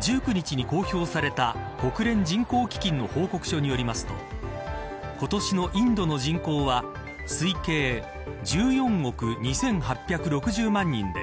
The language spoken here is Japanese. １９日に公表された国連人口基金の報告書によりますと今年のインドの人口は、推計１４億２８６０万人で